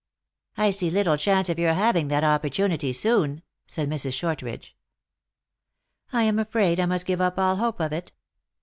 " I see little chance of your having that opportunity soon," said Mrs. Shortridge. "I am afraid I must give up all hope of it.